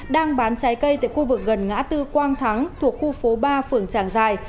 đang bán trái cây tại khu vực gần ngã tư quang thắng thuộc khu phố ba phường tràng giài